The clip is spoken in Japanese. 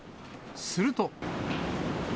すると。